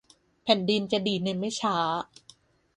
แผ่นดินจะดีในไม่ช้า